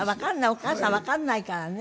お母さんわからないからね。